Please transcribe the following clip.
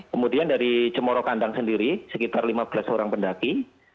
kemudian dari cemoro kandang sendiri sekitar lima belas orang pendaki